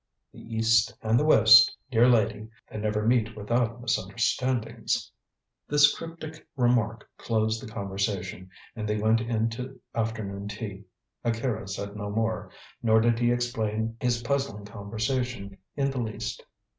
"The East and the West, dear lady they never meet without misunderstandings." This cryptic remark closed the conversation, and they went in to afternoon tea. Akira said no more, nor did he explain his puzzling conversation in the least.